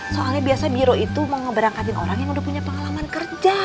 soalnya biasa biro itu mau ngeberangkatin orang yang udah punya pengalaman kerja